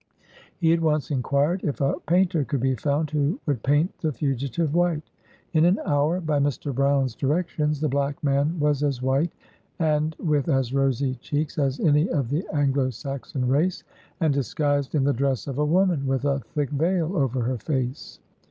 He at once inquired if a painter could be found who would paint the fugitive white. In an hour, by Mr. Brown's directions, the black man was as white, and with as rosy cheeks, as any of the Anglo Saxon race, and disguised in the dress of a woman, with a thick veil over her face.